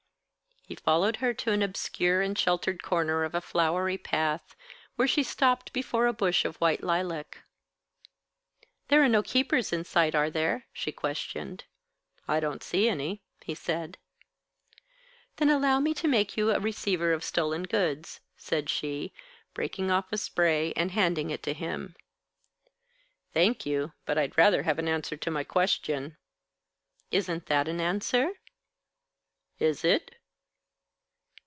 He followed her to an obscure and sheltered corner of a flowery path, where she stopped before a bush of white lilac. "There are no keepers in sight, are there? she questioned. "I don't see any," he said. "Then allow me to make you a receiver of stolen goods," said she, breaking off a spray, and handing it to him. "Thank you. But I'd rather have an answer to my question." "Isn't that an answer?" "Is it?"